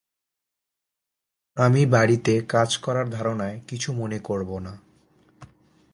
আমি বাড়িতে কাজ করার ধারণায় কিছু মনে করব না।